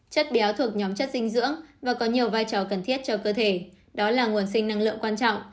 chất béo thuộc nhóm chất dinh dưỡng và có nhiều vai trò cần thiết cho cơ thể đó là nguồn sinh năng lượng quan trọng